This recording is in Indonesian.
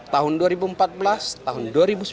tahun dua ribu empat belas tahun dua ribu sembilan belas